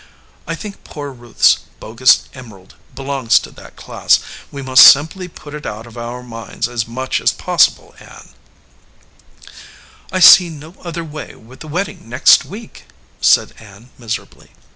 I think poor Ruth s bogus emerald belongs to that class. We must simply put it out of our minds as much as possible, Ann." "I see no other way, with the wedding next week," said Ann, miserably.